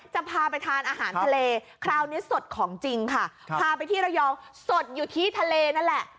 จะพาไปทานอาหารทะเลคราวนี้สดของจริงค่ะพาไปที่ระยองสดอยู่ที่ทะเลนั่นแหละ